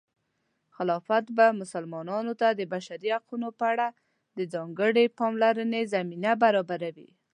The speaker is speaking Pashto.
خلافت به مسلمانانو ته د بشري حقونو په اړه د ځانګړې پاملرنې زمینه برابروي.